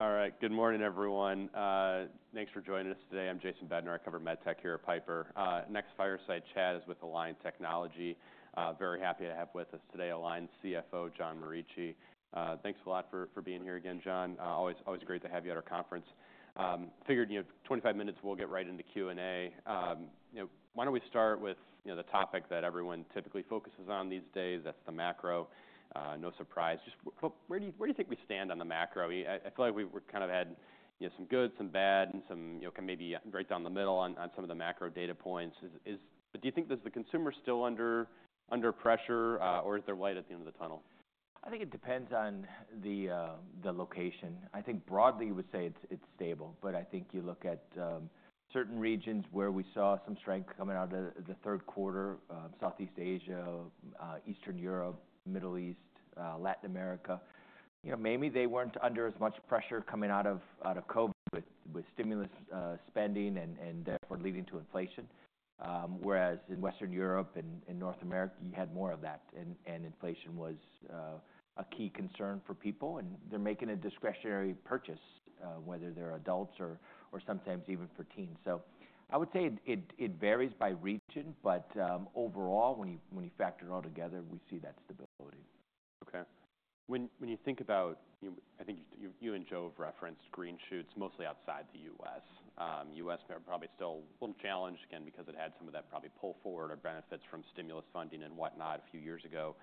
All right. Good morning, everyone. Thanks for joining us today. I'm Jason Bednar. I cover med tech here at Piper. Next fireside chat is with Align Technology. Very happy to have with us today Align CFO John Morici. Thanks a lot for being here again, John. Always great to have you at our conference. Figured, you know, 25 minutes, we'll get right into Q&A. You know, why don't we start with, you know, the topic that everyone typically focuses on these days? That's the macro. No surprise. Just where do you think we stand on the macro? I feel like we've kind of had, you know, some good, some bad, and some, you know, kind of maybe right down the middle on some of the macro data points. Is do you think this is the consumer still under pressure, or is there light at the end of the tunnel? I think it depends on the location. I think broadly you would say it's stable. But I think you look at certain regions where we saw some strength coming out of the third quarter, Southeast Asia, Eastern Europe, Middle East, Latin America. You know, maybe they weren't under as much pressure coming out of COVID with stimulus, spending and therefore leading to inflation, whereas in Western Europe and North America, you had more of that. And inflation was a key concern for people. And they're making a discretionary purchase, whether they're adults or sometimes even for teens. So I would say it varies by region. But overall, when you factor it all together, we see that stability. Okay. When you think about, you know, I think you and Joe have referenced green shoots mostly outside the U.S.. U.S. may probably still a little challenged, again, because it had some of that probably pull forward or benefits from stimulus funding and whatnot a few years ago.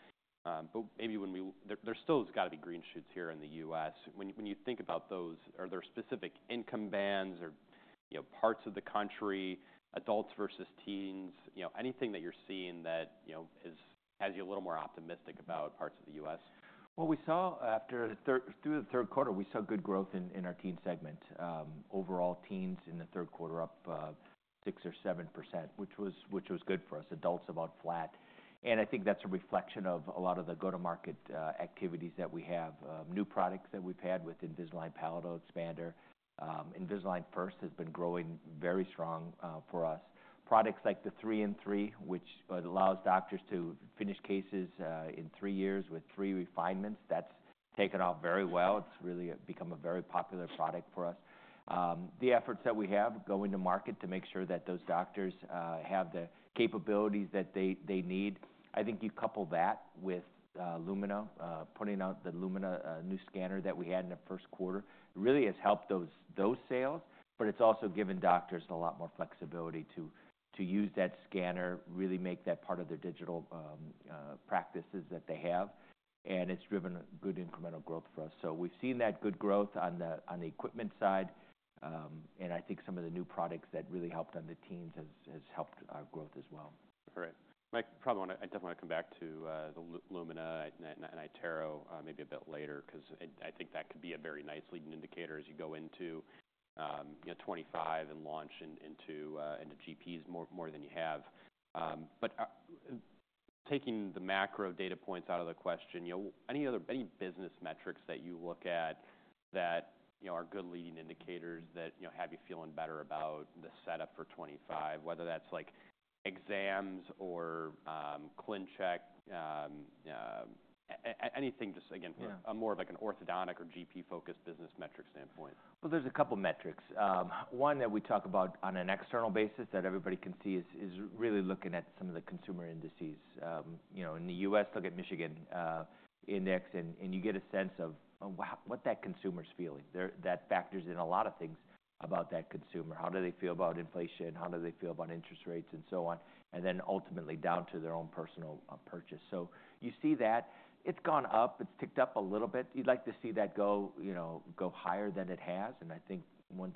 But maybe when we there, there still has gotta be green shoots here in the U.S.. When you think about those, are there specific income bands or, you know, parts of the country, adults versus teens, you know, anything that you're seeing that, you know, has you a little more optimistic about parts of the U.S.? We saw good growth in the third quarter in our teen segment. Overall, teens in the third quarter up 6% or 7%, which was good for us. Adults about flat. I think that's a reflection of a lot of the go-to-market activities that we have. New products that we've had with Invisalign Palatal Expander. Invisalign First has been growing very strong for us. Products like the 3-and-3, which allows doctors to finish cases in three years with three refinements, that's taken off very well. It's really become a very popular product for us. The efforts that we have going to market to make sure that those doctors have the capabilities that they need. I think you couple that with Lumina putting out the Lumina new scanner that we had in the first quarter really has helped those sales. But it's also given doctors a lot more flexibility to use that scanner really make that part of their digital practices that they have. And it's driven good incremental growth for us. So we've seen that good growth on the equipment side, and I think some of the new products that really helped on the teens has helped growth as well. Great. Mike, probably wanna, I definitely wanna come back to the Lumina and iTero maybe a bit later 'cause I think that could be a very nice leading indicator as you go into, you know, 25 and launch into GPs more than you have, but taking the macro data points out of the question, you know, any other business metrics that you look at that, you know, are good leading indicators that, you know, have you feeling better about the setup for 25, whether that's like exams or ClinCheck, anything just, again, for more of like an orthodontic or GP-focused business metric standpoint? Well, there's a couple metrics. One that we talk about on an external basis that everybody can see is really looking at some of the consumer indices. You know, in the U.S., look at Michigan Index. And you get a sense of, oh, what that consumer's feeling. There that factors in a lot of things about that consumer. How do they feel about inflation? How do they feel about interest rates and so on? And then ultimately down to their own personal purchase. So you see that it's gone up. It's ticked up a little bit. You'd like to see that go, you know, go higher than it has. And I think once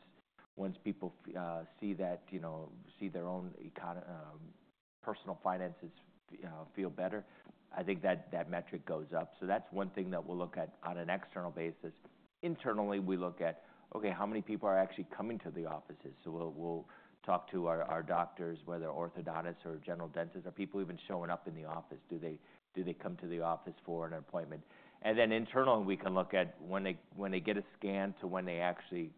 people see that, you know, see their own economy, personal finances feel better, I think that that metric goes up. So that's one thing that we'll look at on an external basis. Internally, we look at, okay, how many people are actually coming to the offices? So we'll talk to our doctors, whether orthodontists or general dentists. Are people even showing up in the office? Do they come to the office for an appointment? And then internally, we can look at when they get a scan to when they actually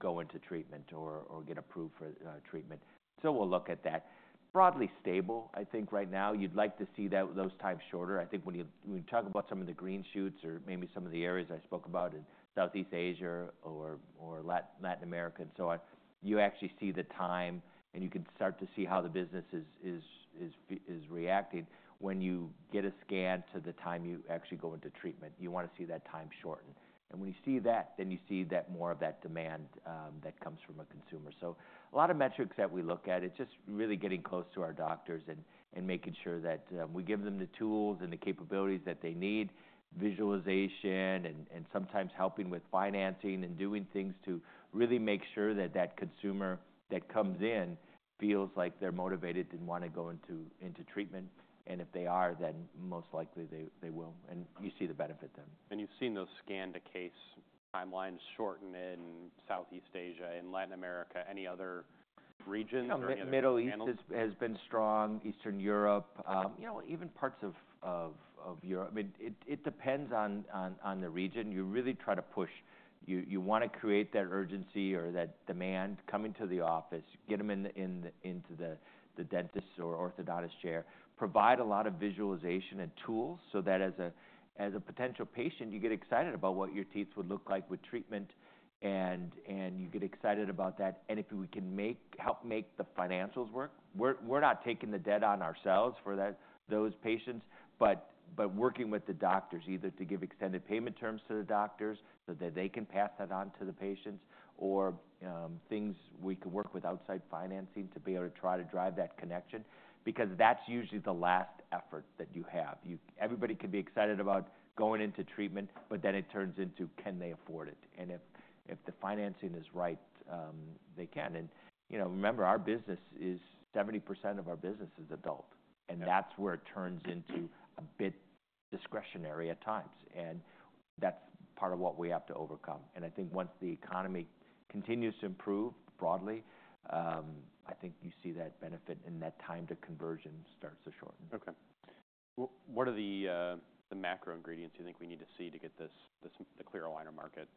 go into treatment or get approved for treatment. So we'll look at that. Broadly stable, I think, right now. You'd like to see those times shorter. I think when you talk about some of the green shoots or maybe some of the areas I spoke about in Southeast Asia or Latin America and so on, you actually see the time. And you can start to see how the business is reacting when you get a scan to the time you actually go into treatment. You wanna see that time shorten. And when you see that, then you see that more of that demand that comes from a consumer. So a lot of metrics that we look at, it's just really getting close to our doctors and making sure that we give them the tools and the capabilities that they need, visualization, and sometimes helping with financing and doing things to really make sure that that consumer that comes in feels like they're motivated and wanna go into treatment. And if they are, then most likely they will. And you see the benefit then. You've seen those scan-to-case timelines shorten in Southeast Asia, in Latin America, any other regions or any other? The Middle East has been strong. Eastern Europe, you know, even parts of Europe. I mean, it depends on the region. You really try to push. You wanna create that urgency or that demand coming to the office, get them into the dentist's or orthodontist's chair, provide a lot of visualization and tools so that as a potential patient, you get excited about what your teeth would look like with treatment, and you get excited about that. If we can help make the financials work, we're not taking the debt on ourselves for those patients, but working with the doctors either to give extended payment terms to the doctors so that they can pass that on to the patients or things we could work with outside financing to be able to try to drive that connection because that's usually the last effort that you have. Everybody could be excited about going into treatment, but then it turns into, can they afford it? And if the financing is right, they can. You know, remember, 70% of our business is adult. Yeah. That's where it turns into a bit discretionary at times. That's part of what we have to overcome. I think once the economy continues to improve broadly, I think you see that benefit and that time to conversion starts to shorten. Okay. What are the macro ingredients you think we need to see to get this the clear aligner market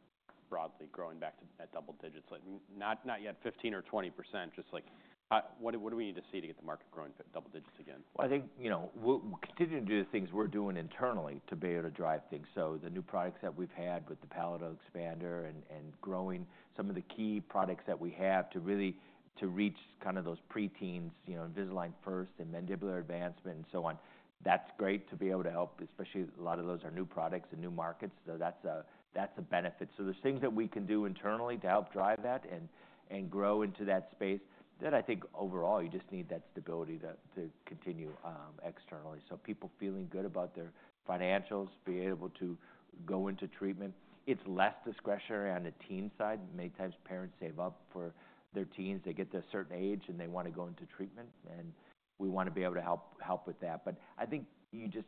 broadly growing back to that double digits? Like, not yet 15% or 20%, just like how what do we need to see to get the market growing to double digits again? I think, you know, we'll continue to do the things we're doing internally to be able to drive things, so the new products that we've had with the Palatal Expander and growing some of the key products that we have to really reach kind of those preteens, you know, Invisalign First and mandibular advancement and so on, that's great to be able to help, especially a lot of those are new products and new markets, so that's a benefit, so there's things that we can do internally to help drive that and grow into that space that I think overall you just need that stability to continue, externally, so people feeling good about their financials, be able to go into treatment. It's less discretionary on the teen side. Many times parents save up for their teens. They get to a certain age and they wanna go into treatment. We wanna be able to help with that. But I think you just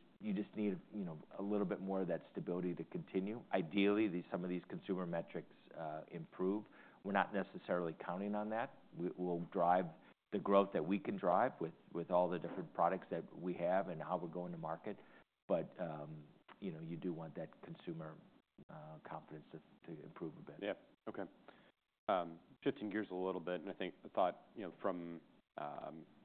need, you know, a little bit more of that stability to continue. Ideally, some of these consumer metrics improve. We're not necessarily counting on that. We'll drive the growth that we can drive with all the different products that we have and how we're going to market. But, you know, you do want that consumer confidence to improve a bit. Yeah. Okay. Shifting gears a little bit, and I think I thought, you know, from,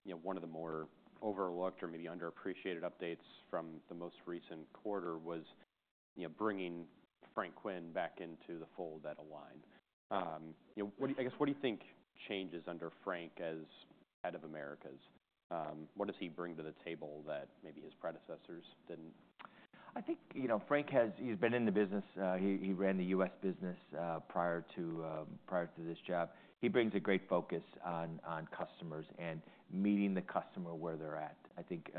you know, one of the more overlooked or maybe underappreciated updates from the most recent quarter was, you know, bringing Frank Quinn back into the fold at Align. You know, what do you, I guess, what do you think changes under Frank as head of Americas? What does he bring to the table that maybe his predecessors didn't? I think, you know, Frank has. He's been in the business. He ran the U.S. business prior to this job. He brings a great focus on customers and meeting the customer where they're at. I think,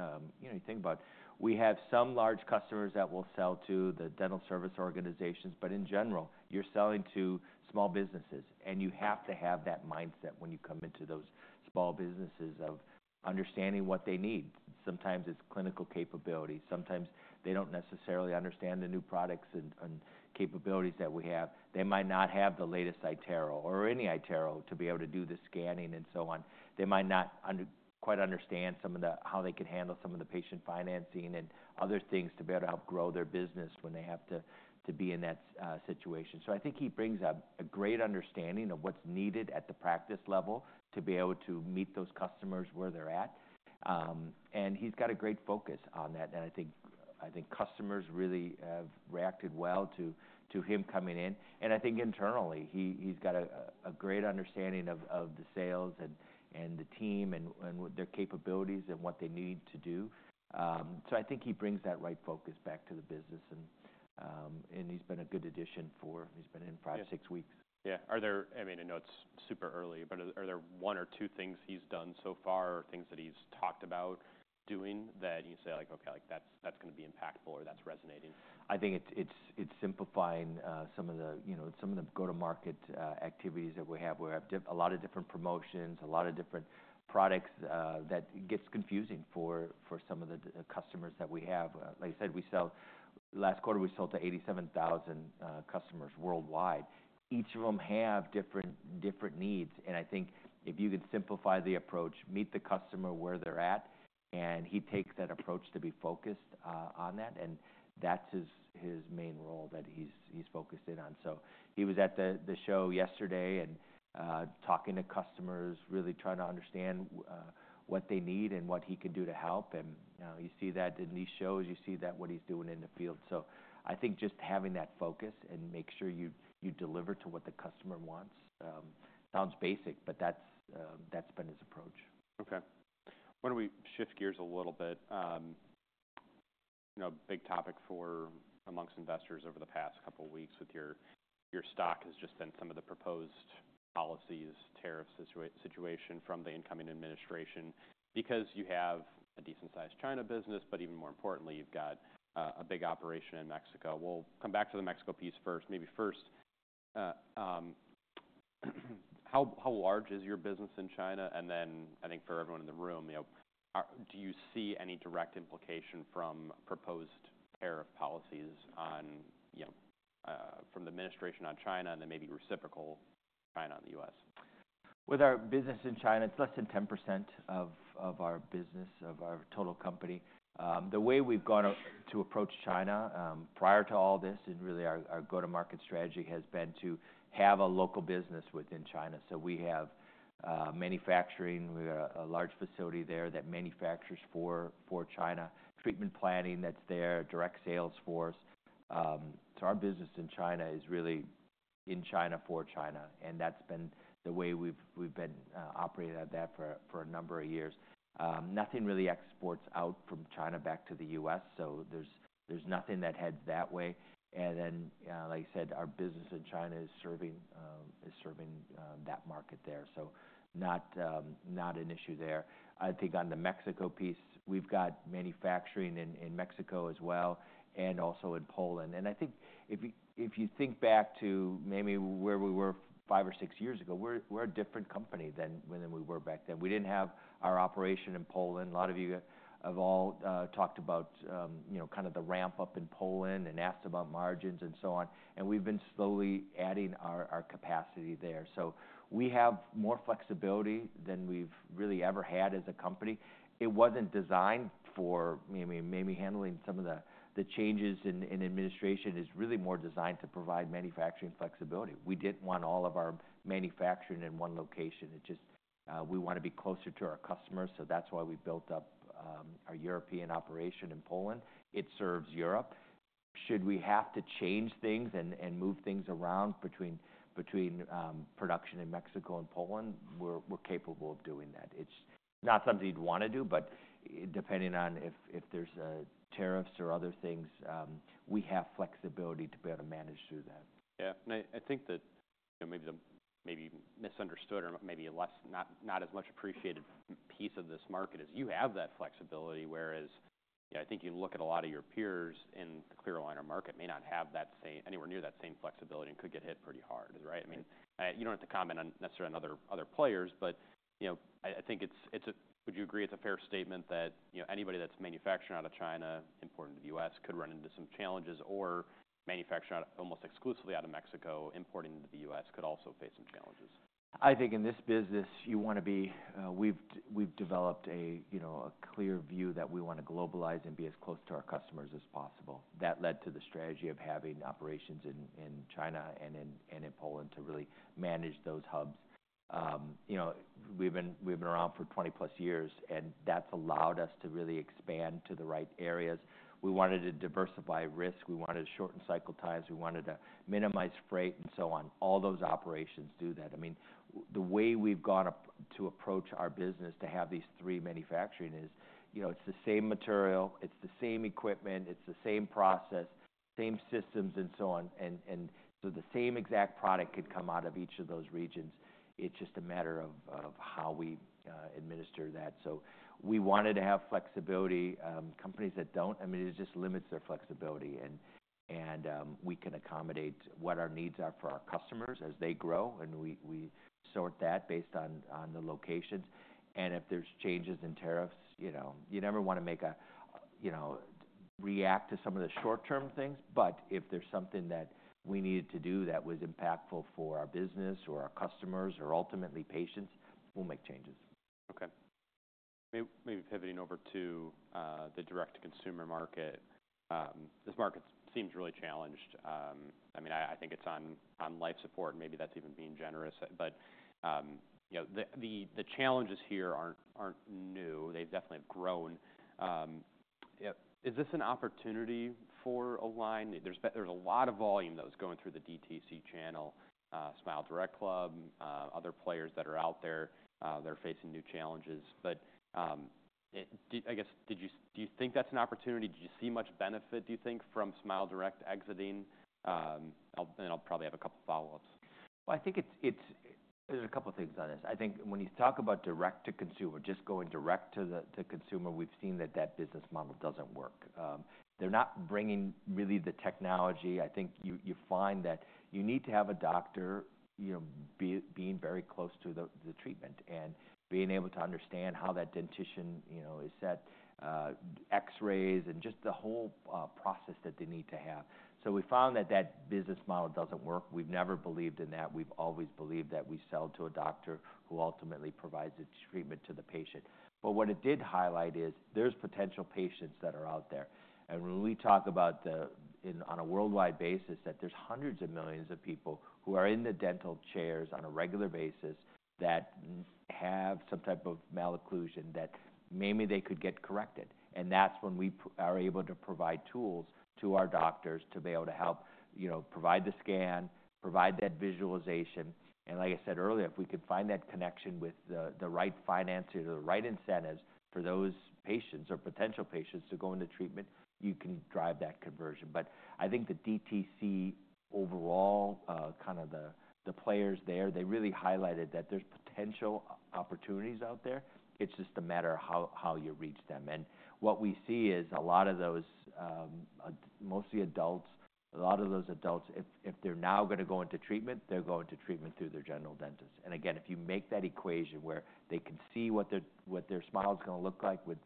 you know, you think about we have some large customers that we'll sell to, the dental service organizations. But in general, you're selling to small businesses, and you have to have that mindset when you come into those small businesses of understanding what they need. Sometimes it's clinical capability. Sometimes they don't necessarily understand the new products and capabilities that we have. They might not have the latest iTero or any iTero to be able to do the scanning and so on. They might not quite understand some of the how they could handle some of the patient financing and other things to be able to help grow their business when they have to be in that situation. So I think he brings a great understanding of what's needed at the practice level to be able to meet those customers where they're at. He's got a great focus on that. I think customers really have reacted well to him coming in. I think internally he has a great understanding of the sales and the team and what their capabilities are and what they need to do. So I think he brings that right focus back to the business. He's been a good addition. He's been in five, six weeks. Yeah. Yeah. Are there—I mean, I know it's super early, but are there one or two things he's done so far, things that he's talked about doing that you say like, "Okay, like that's, that's gonna be impactful or that's resonating"? I think it's simplifying some of the, you know, some of the go-to-market activities that we have. We have a lot of different promotions, a lot of different products that gets confusing for some of the customers that we have. Like I said, we sold last quarter to 87,000 customers worldwide. Each of them have different needs. I think if you can simplify the approach, meet the customer where they're at, and he takes that approach to be focused on that. That's his main role that he's focused in on. He was at the show yesterday and talking to customers, really trying to understand what they need and what he could do to help. You know, you see that in these shows. You see that what he's doing in the field. I think just having that focus and make sure you deliver to what the customer wants sounds basic, but that's been his approach. Okay. Why don't we shift gears a little bit? You know, big topic for amongst investors over the past couple weeks with your stock has just been some of the proposed policies, tariff situation from the incoming administration because you have a decent-sized China business, but even more importantly, you've got a big operation in Mexico. We'll come back to the Mexico piece first. Maybe first, how large is your business in China? And then I think for everyone in the room, you know, do you see any direct implication from proposed tariff policies on, you know, from the administration on China and then maybe reciprocal China on the U.S.? With our business in China, it's less than 10% of our business, of our total company. The way we've gone to approach China, prior to all this and really our go-to-market strategy has been to have a local business within China, so we have manufacturing. We've got a large facility there that manufactures for China, treatment planning that's there, direct sales force, so our business in China is really in China for China, and that's been the way we've been operating like that for a number of years. Nothing really exports out from China back to the U.S., so there's nothing that heads that way, and then, like I said, our business in China is serving that market there, so not an issue there. I think on the Mexico piece, we've got manufacturing in Mexico as well and also in Poland, and I think if you think back to maybe where we were five or six years ago, we're a different company than when we were back then. We didn't have our operation in Poland. A lot of you have talked about, you know, kind of the ramp-up in Poland and asked about margins and so on, and we've been slowly adding our capacity there, so we have more flexibility than we've really ever had as a company. It wasn't designed for maybe handling some of the changes in administration. It is really more designed to provide manufacturing flexibility. We didn't want all of our manufacturing in one location. It just, we wanna be closer to our customers. So that's why we built up our European operation in Poland. It serves Europe. Should we have to change things and move things around between production in Mexico and Poland, we're capable of doing that. It's not something you'd wanna do, but depending on if there's tariffs or other things, we have flexibility to be able to manage through that. Yeah. And I think that, you know, maybe the misunderstood or maybe less, not as much appreciated piece of this market is you have that flexibility, whereas, you know, I think you look at a lot of your peers in the clear aligner market may not have that same, anywhere near that same flexibility and could get hit pretty hard, right? I mean, you don't have to comment on necessarily on other players, but, you know, I think it's, would you agree it's a fair statement that, you know, anybody that's manufacturing out of China, importing to the U.S., could run into some challenges or manufacturing out of almost exclusively out of Mexico, importing to the U.S. could also face some challenges? I think in this business you wanna be. We've developed, you know, a clear view that we wanna globalize and be as close to our customers as possible. That led to the strategy of having operations in China and in Poland to really manage those hubs. You know, we've been around for 20-plus years, and that's allowed us to really expand to the right areas. We wanted to diversify risk. We wanted to shorten cycle times. We wanted to minimize freight and so on. All those operations do that. I mean, the way we've gone to approach our business to have these three manufacturing is, you know, it's the same material. It's the same equipment. It's the same process, same systems, and so on. And so the same exact product could come out of each of those regions. It's just a matter of how we administer that so we wanted to have flexibility. Companies that don't, I mean, it just limits their flexibility, and we can accommodate what our needs are for our customers as they grow, and we sort that based on the locations, and if there's changes in tariffs, you know, you never wanna make, you know, react to some of the short-term things, but if there's something that we needed to do that was impactful for our business or our customers or ultimately patients, we'll make changes. Okay. Maybe pivoting over to the direct-to-consumer market. This market seems really challenged. I mean, I think it's on life support. Maybe that's even being generous. But, you know, the challenges here aren't new. They've definitely grown. Yep. Is this an opportunity for Align? There's a lot of volume that was going through the DTC channel, Smile Direct Club, other players that are out there. They're facing new challenges. But I guess, do you think that's an opportunity? Did you see much benefit, do you think, from Smile Direct exiting? I'll probably have a couple follow-ups. I think it's there are a couple things on this. I think when you talk about direct-to-consumer, just going direct to the consumer, we've seen that business model doesn't work. They're not bringing really the technology. I think you find that you need to have a doctor, you know, being very close to the treatment and being able to understand how that dentition, you know, is set, X-rays and just the whole process that they need to have. So we found that business model doesn't work. We've never believed in that. We've always believed that we sell to a doctor who ultimately provides the treatment to the patient. But what it did highlight is there's potential patients that are out there. And when we talk about the industry on a worldwide basis, that there's hundreds of millions of people who are in the dental chairs on a regular basis that have some type of malocclusion that maybe they could get corrected. And that's when we are able to provide tools to our doctors to be able to help, you know, provide the scan, provide that visualization. And like I said earlier, if we could find that connection with the right finances or the right incentives for those patients or potential patients to go into treatment, you can drive that conversion. But I think the DTC overall, kind of the players there, they really highlighted that there's potential opportunities out there. It's just a matter of how you reach them. And what we see is a lot of those, mostly adults. If they're now gonna go into treatment, they're going to treatment through their general dentist. And again, if you make that equation where they can see what their smile's gonna look like with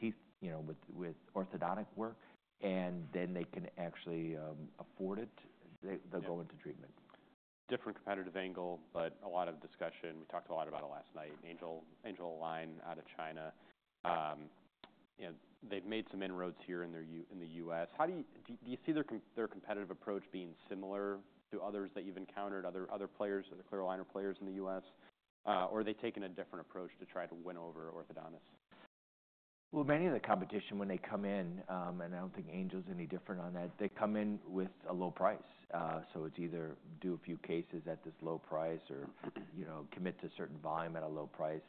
teeth, you know, with orthodontic work, and then they can actually afford it, they'll go into treatment. Different competitive angle, but a lot of discussion. We talked a lot about it last night. Angel, AngelAlign out of China. You know, they've made some inroads here in the U.S. How do you see their competitive approach being similar to others that you've encountered, other players, other clear aligner players in the U.S.? Or are they taking a different approach to try to win over orthodontists? Many of the competition, when they come in, and I don't think Angel's any different on that, they come in with a low price. So it's either do a few cases at this low price or, you know, commit to certain volume at a low price.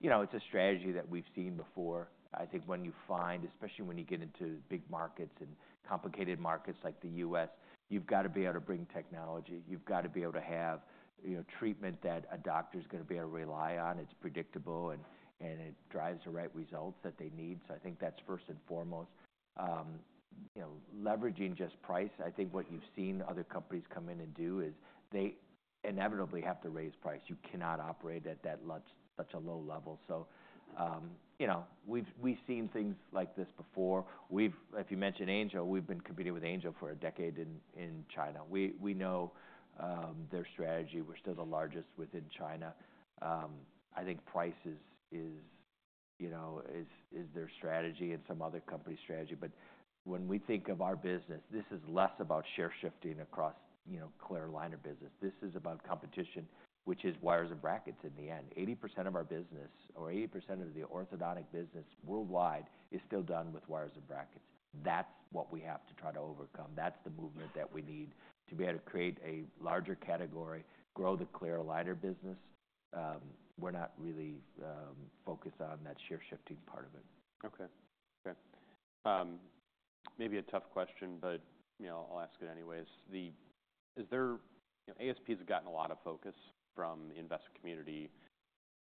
You know, it's a strategy that we've seen before. I think when you find, especially when you get into big markets and complicated markets like the U.S., you've gotta be able to bring technology. You've gotta be able to have, you know, treatment that a doctor's gonna be able to rely on. It's predictable, and it drives the right results that they need. So I think that's first and foremost. You know, leveraging just price. I think what you've seen other companies come in and do is they inevitably have to raise price. You cannot operate at that level such a low level. So, you know, we've seen things like this before. We've, if you mentioned Angel, we've been competing with Angel for a decade in China. We know their strategy. We're still the largest within China. I think price is, you know, their strategy and some other company strategy. But when we think of our business, this is less about share shifting across, you know, clear aligner business. This is about competition, which is wires and brackets in the end. 80% of our business or 80% of the orthodontic business worldwide is still done with wires and brackets. That's what we have to try to overcome. That's the movement that we need to be able to create a larger category, grow the clear aligner business. We're not really focused on that share shifting part of it. Okay. Okay. Maybe a tough question, but, you know, I'll ask it anyways. Is there, you know, ASPs have gotten a lot of focus from the investor community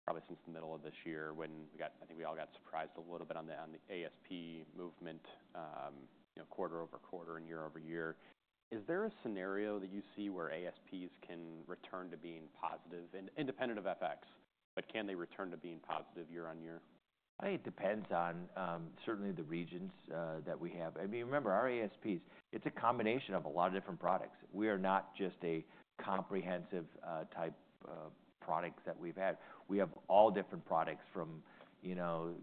probably since the middle of this year when we got, I think we all got surprised a little bit on the ASP movement, you know, quarter-over-quarter and year-over-year. Is there a scenario that you see where ASPs can return to being positive and independent of FX, but can they return to being positive year on year? I think it depends on certainly the regions that we have. I mean, remember our ASPs; it's a combination of a lot of different products. We are not just a comprehensive type product that we've had. We have all different products from, you know,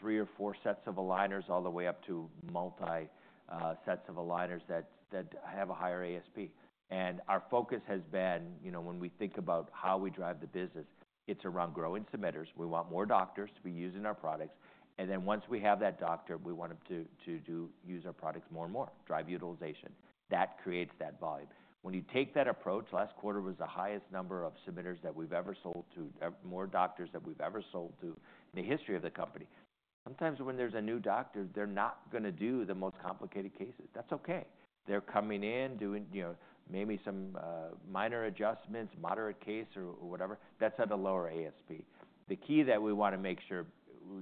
three or four sets of aligners all the way up to multiple sets of aligners that have a higher ASP. And our focus has been, you know, when we think about how we drive the business, it's around growing submitters. We want more doctors to be using our products. And then once we have that doctor, we want them to do use our products more and more, drive utilization. That creates that volume. When you take that approach, last quarter was the highest number of submitters that we've ever sold to, more doctors that we've ever sold to in the history of the company. Sometimes when there's a new doctor, they're not gonna do the most complicated cases. That's okay. They're coming in, doing, you know, maybe some minor adjustments, moderate case or whatever. That's at a lower ASP. The key that we wanna make sure,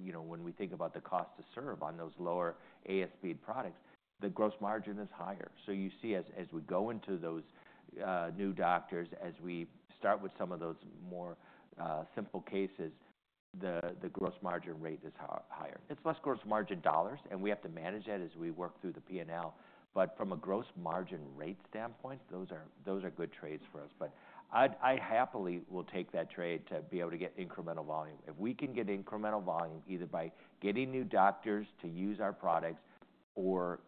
you know, when we think about the cost to serve on those lower ASP products, the gross margin is higher. So you see as we go into those new doctors, as we start with some of those more simple cases, the gross margin rate is higher. It's less gross margin dollars, and we have to manage that as we work through the P&L. But from a gross margin rate standpoint, those are good trades for us. But I'd happily will take that trade to be able to get incremental volume. If we can get incremental volume either by getting new doctors to use our products or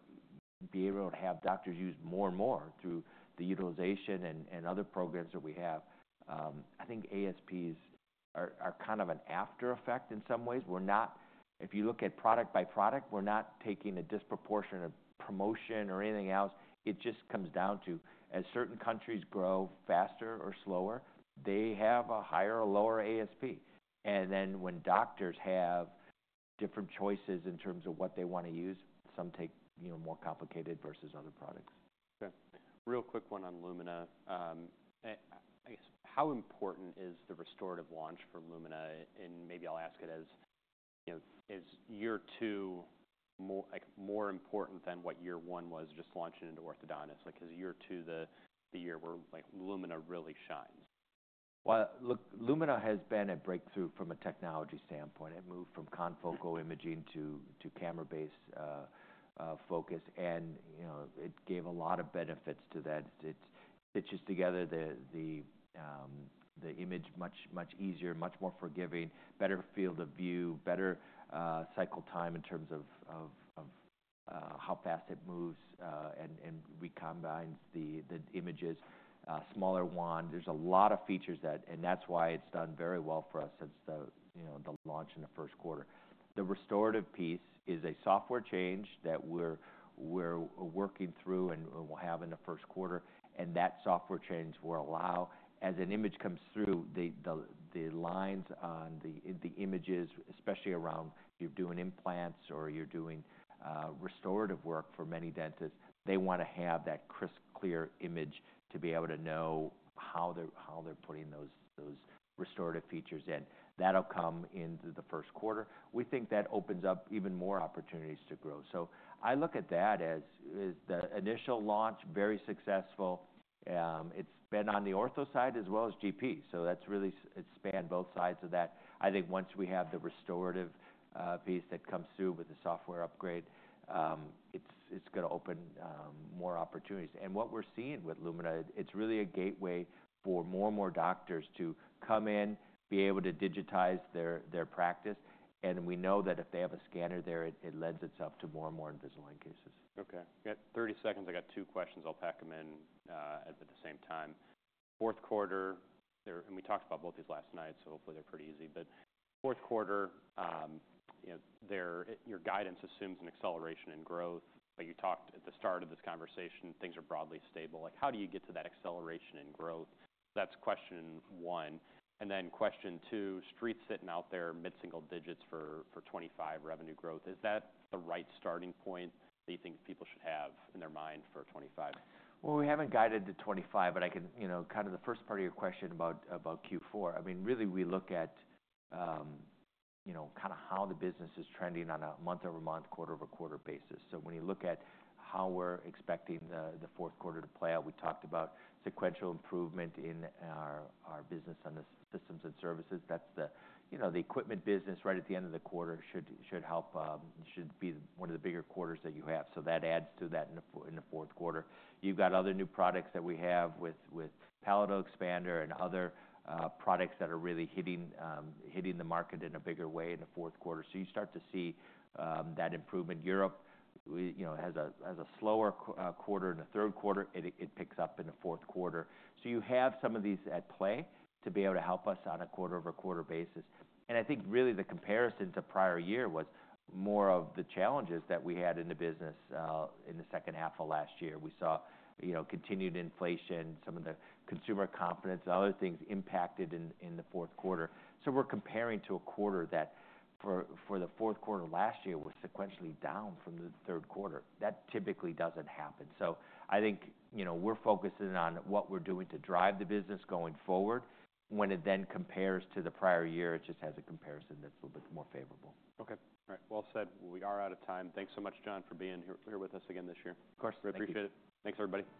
be able to have doctors used more and more through the utilization and other programs that we have, I think ASPs are kind of an after effect in some ways. We're not, if you look at product by product, we're not taking a disproportionate promotion or anything else. It just comes down to, as certain countries grow faster or slower, they have a higher or lower ASP. And then when doctors have different choices in terms of what they wanna use, some take, you know, more complicated versus other products. Okay. Real quick one on Lumina. I guess, how important is the restorative launch for Lumina? And maybe I'll ask it as, you know, is year two more like, more important than what year one was just launching into orthodontics? Like, is year two the year where, like, Lumina really shines? Look, Lumina has been a breakthrough from a technology standpoint. It moved from confocal imaging to camera-based focus. And, you know, it gave a lot of benefits to that. It stitches together the image much easier, much more forgiving, better field of view, better cycle time in terms of how fast it moves, and recombines the images. Smaller wand. There's a lot of features, and that's why it's done very well for us since the, you know, the launch in the first quarter. The restorative piece is a software change that we're working through, and we'll have in the first quarter. That software change will allow, as an image comes through, the lines on the images, especially around if you're doing implants or you're doing restorative work for many dentists, they wanna have that crisp, clear image to be able to know how they're putting those restorative features in. That'll come into the first quarter. We think that opens up even more opportunities to grow. I look at that as the initial launch, very successful. It's been on the ortho side as well as GP. That's really it's spanned both sides of that. I think once we have the restorative piece that comes through with the software upgrade, it's gonna open more opportunities. What we're seeing with Lumina, it's really a gateway for more and more doctors to come in, be able to digitize their practice. We know that if they have a scanner there, it lends itself to more and more Invisalign cases. Okay. Got 30 seconds. I got two questions. I'll pack them in, at the same time. Fourth quarter, there and we talked about both these last night, so hopefully they're pretty easy. But fourth quarter, you know, there your guidance assumes an acceleration in growth. But you talked at the start of this conversation, things are broadly stable. Like, how do you get to that acceleration in growth? That's question one. And then question two, street sitting out there, mid-single digits for, for 2025 revenue growth. Is that the right starting point that you think people should have in their mind for 2025? Well, we haven't guided to 2025, but I can, you know, kind of the first part of your question about, about Q4. I mean, really, we look at, you know, kind of how the business is trending on a month-over-month, quarter-over-quarter basis. So when you look at how we're expecting the fourth quarter to play out, we talked about sequential improvement in our business on the systems and services. That's the, you know, the equipment business right at the end of the quarter should help, should be one of the bigger quarters that you have. So that adds to that in the fourth quarter. You've got other new products that we have with the Palatal Expander and other products that are really hitting the market in a bigger way in the fourth quarter. So you start to see that improvement. Europe, you know, has a slower quarter. In the third quarter, it picks up in the fourth quarter. So you have some of these at play to be able to help us on a quarter-over-quarter basis. And I think really the comparison to prior year was more of the challenges that we had in the business, in the second half of last year. We saw, you know, continued inflation, some of the consumer confidence, other things impacted in the fourth quarter. So we're comparing to a quarter that for the fourth quarter last year was sequentially down from the third quarter. That typically doesn't happen. So I think, you know, we're focusing on what we're doing to drive the business going forward. When it then compares to the prior year, it just has a comparison that's a little bit more favorable. Okay. All right. Well said. We are out of time. Thanks so much, John, for being here with us again this year. Of course. I appreciate it. Thanks everybody.